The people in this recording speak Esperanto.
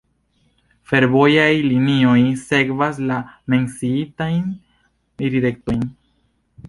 Fervojaj linioj sekvas la menciitajn direktojn.